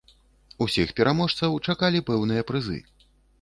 Усіх пераможцаў чакалі пэўныя прызы.